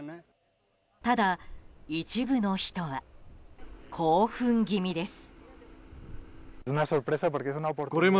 ただ一部の人は興奮気味です。